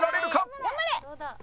頑張れ！